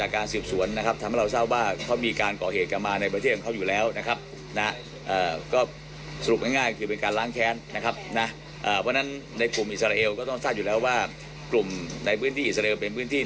เขาก็จะทำการฝึกฝนมานะครับ